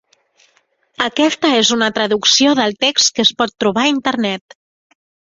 Aquesta és una traducció del text que es pot trobar a Internet.